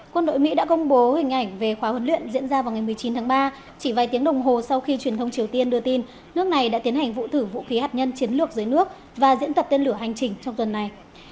quân đội mỹ đã công bố hình ảnh về khóa huấn luyện diễn ra vào ngày một mươi chín tháng ba chỉ vài tiếng đồng hồ sau khi truyền thông triều tiên đưa tin nước này đã tiến hành vụ thử vũ khí hạt nhân chiến lược dưới nước và diễn tập tên lửa hành trình trong tuần này